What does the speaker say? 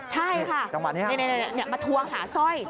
ใช่ค่ะมาทวงหาสร้อย